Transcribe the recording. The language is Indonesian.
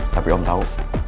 tapi om tahu